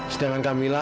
sedangkan kak mila